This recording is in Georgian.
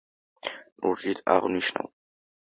ლურჯით აღვნიშნავ.